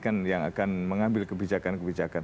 kan yang akan mengambil kebijakan kebijakan